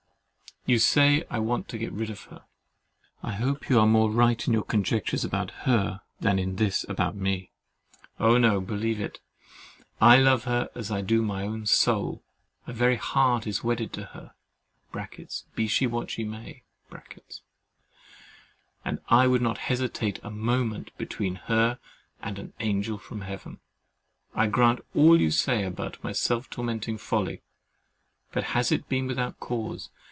You say I want to get rid of her. I hope you are more right in your conjectures about her than in this about me. Oh no! believe it, I love her as I do my own soul; my very heart is wedded to her (be she what she may) and I would not hesitate a moment between her and "an angel from Heaven." I grant all you say about my self tormenting folly: but has it been without cause?